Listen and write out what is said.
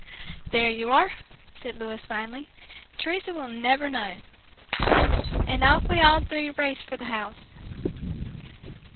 "There you are," said Louis finally, "Teresa will never know." And off we all three raced for the house.